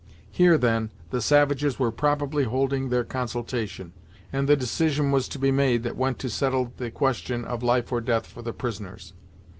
Here, then, the savages were probably holding their consultation, and the decision was to be made that went to settle the question of life or death for the prisoners.